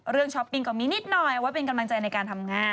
เรื่องช้อปปิ้งก็มีนิดหน่อยว่าเป็นกำลังใจในการทำงาน